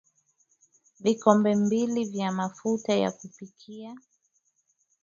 vikombe mbili vya mafuta ya kupikia